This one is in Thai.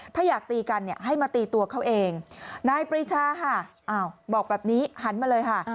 ถ้าอยากตีกันเนี่ยให้มาตีตัวเขาเองนายปริชาค่ะบอกแบบนี้หันมาเลยค่ะ